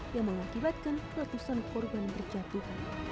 yang mengakibatkan ratusan korban berjatuhan